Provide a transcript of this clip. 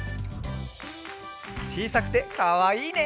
ちいさくてかわいいね！